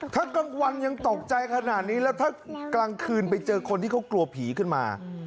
ถ้ากลางวันยังตกใจขนาดนี้แล้วถ้ากลางคืนไปเจอคนที่เขากลัวผีขึ้นมา